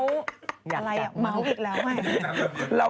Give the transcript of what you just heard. อะไรอ่ะเมาส์อีกแล้ว